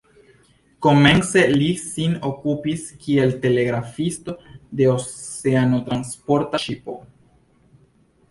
Komence li sin okupis kiel telegrafisto de oceanotransporta ŝipo.